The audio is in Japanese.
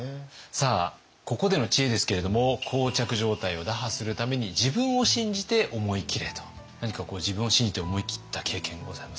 さあここでの知恵ですけれども膠着状態を打破するために何か自分を信じて思い切った経験ございますか？